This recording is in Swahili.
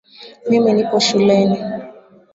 Mimi nipo shuleni